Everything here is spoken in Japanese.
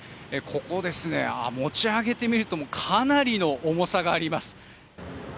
ここですね、持ち上げてみるとかなりの重さがあります。